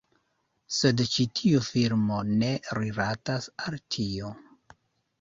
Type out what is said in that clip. Sed ĉi tiu filmo ne rilatas al tio.